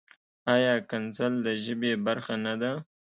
ایا کنځل د ژبې برخه نۀ ده؟